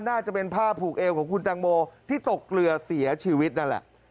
น่าจะเป็นผ้าผูกเอวของคุณตังโมที่ตกเกลือเสียชีวิตนั่นแหละ